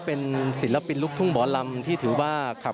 และก็มีการกินยาละลายริ่มเลือดแล้วก็ยาละลายขายมันมาเลยตลอดครับ